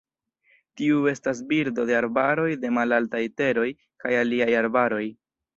Tiu estas birdo de arbaroj de malaltaj teroj kaj aliaj arbaroj.